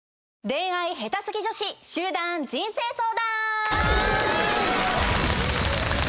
恋愛ヘタすぎ女子集団人生相談！